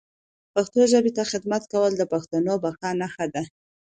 پښتو ژبي ته خدمت کول د پښتون بقا نښه ده